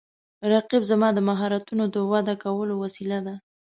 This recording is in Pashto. رقیب زما د مهارتونو د وده کولو وسیله ده